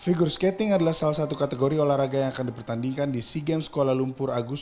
figure skating adalah salah satu kategori olahraga yang akan dipertandingkan di sea games kuala lumpur agus